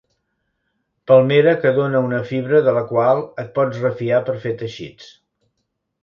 Palmera que dóna una fibra de la qual et pots refiar per fer teixits.